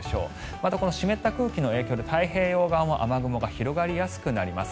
また、この湿った空気の影響で太平洋側も雨雲が広がりやすくなります。